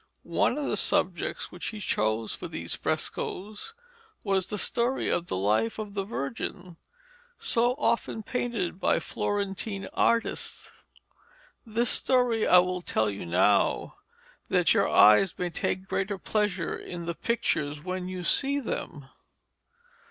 One of the subjects which he chose for these frescoes was the story of the Life of the Virgin, so often painted by Florentine artists. This story I will tell you now, that your eyes may take greater pleasure in the pictures when you see them.